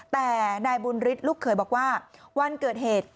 แต่นายบุญฤทธิ์ลูกเขยบอกว่าวันเกิดเหตุ